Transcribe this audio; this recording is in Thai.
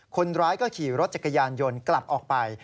คนร้ายก็ขี่รถจักรยานยนต์กลับออกไป